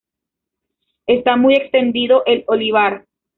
Está muy extendido el olivar.